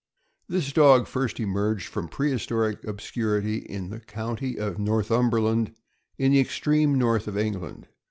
>HIS dog first emerged from prehistoric obscurity in the County of Northumberland, in the extreme north of England.